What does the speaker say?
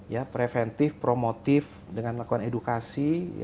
ya preventif promotif dengan melakukan edukasi